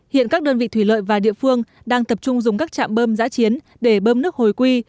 hiện các đơn vị thủy lợi và địa phương đang tập trung dùng các chạm bơm giã chiến để bơm nước hồi quy